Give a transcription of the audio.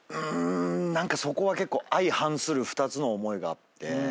何かそこは結構相反する２つの思いがあって。